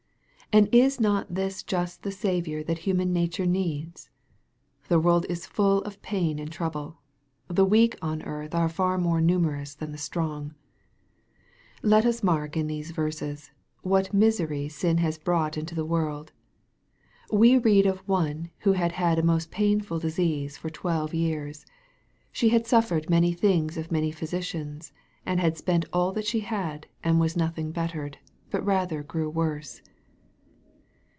And is not this just the Saviour tliat human nature needs ? The world is full of pain and trouble. The weak on earth are far more numerous than the strong. Let us mark, in these verses, what misery sin has brought into the world. We read of one who had had a most painful disease " for twelve years." She had " suf fered many things of many physicians, and had spent all that she had, and was nothing bettered, but rather grew worse."